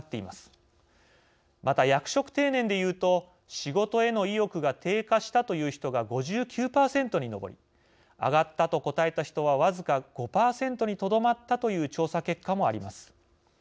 また、役職定年でいうと仕事への意欲が低下したという人が５９％に上り上がったと答えた人はわずか５％にとどまったという調査結果もあります。